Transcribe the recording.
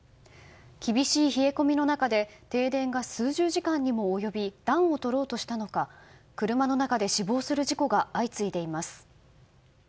厳しい冷え込みの中で停電が数十時間にも及び暖をとろうとしたのか車の中で死亡する事故が相次いでいます。